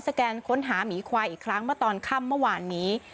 แกนค้นหาหมีควายอีกครั้งเมื่อตอนค่ำเมื่อวานนี้